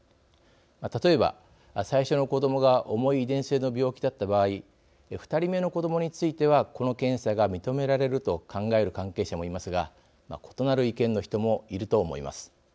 例えば最初の子どもが重い遺伝性の病気だった場合２人目の子どもについてはこの検査が認められると考える関係者もいますが異なる意見の人もいると思います。